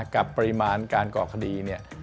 กับปริมาณการก่อคดี